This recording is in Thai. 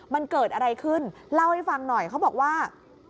มันเกิดอะไรขึ้นเล่าให้ฟังหน่อยเขาบอกว่า